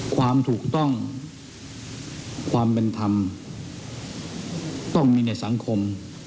ความถูกต้องความเป็นธรรมต้องมีในสังคม